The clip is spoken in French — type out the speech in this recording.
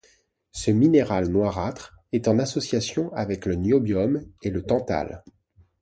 Ce minéral noirâtre est en association avec le niobium et le tantale.